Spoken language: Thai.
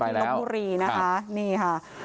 พี่เปิ้ลไปแล้ว